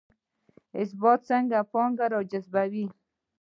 ثبات څنګه پانګه راجذبوي؟